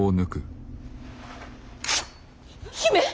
姫！